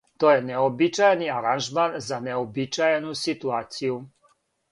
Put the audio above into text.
То је неуобичајени аранжман за неуобичајену ситуацију.